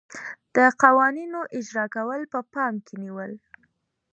د قوانینو اجرا کول په پام کې نیول.